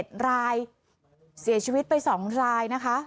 รวมไป๗รายเสียชีวิตไป๒รายนะคะ